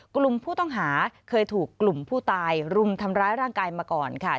กลุ่มผู้ต้องหาเคยถูกกลุ่มผู้ตายรุมทำร้ายร่างกายมาก่อนค่ะ